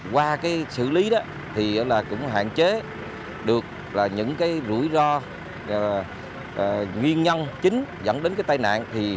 qua xử lý hạn chế được những rủi ro nguyên nhân chính dẫn đến tai nạn